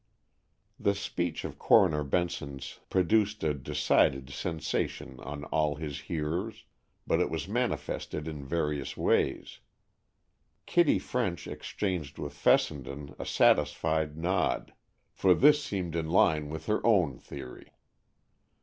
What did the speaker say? This speech of Coroner Benson's produced a decided sensation on all his hearers, but it was manifested in various ways. Kitty French exchanged with Fessenden a satisfied nod, for this seemed in line with her own theory.